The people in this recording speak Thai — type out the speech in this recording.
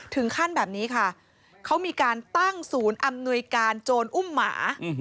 ถึงขั้นแบบนี้ค่ะเขามีการตั้งศูนย์อำนวยการโจรอุ้มหมา